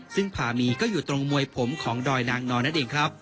ซึ่งพามีก็อยู่ตรงมวยผมของดอยนางนอนนั่นเองครับ